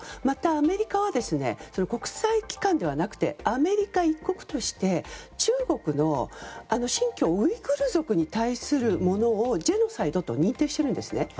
また、アメリカは国際機関ではなくてアメリカ一国として、中国の新疆ウイグル族に対するものをジェノサイドと認定してるんですね。